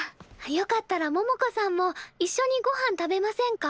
よかったら百子さんも一緒にごはん食べませんか？